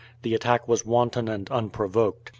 The attack was wanton and unprovoked.